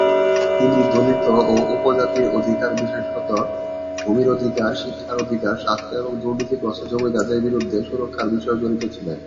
তিনি দলিত ও উপজাতির অধিকার বিশেষত ভূমির অধিকার, শিক্ষার অধিকার, স্বাস্থ্য এবং দুর্নীতিগ্রস্ত জমিদারদের বিরুদ্ধে সুরক্ষার বিষয়েও জড়িত ছিলেন।